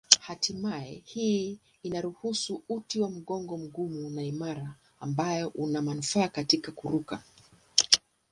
Hatimaye hii inaruhusu uti wa mgongo mgumu na imara ambayo una manufaa katika kuruka.